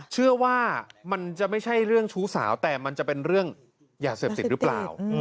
เชื่อว่ามันจะไม่ใช่เรื่องชู้สาวแต่มันจะเป็นเรื่องยาเสพติดหรือเปล่า